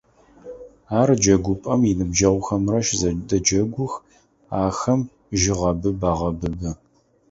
Ар джэгупӏэм иныбджэгъухэмрэ щызэдэджэгух, ахэм жьыгъэбыб агъэбыбы.